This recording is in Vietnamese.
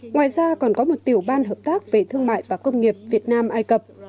ngoài ra còn có một tiểu ban hợp tác về thương mại và công nghiệp việt nam ai cập